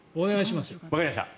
わかりました。